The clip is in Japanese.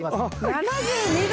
７２度。